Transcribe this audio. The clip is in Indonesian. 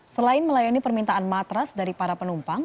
selain melayani permintaan matras dari para penumpang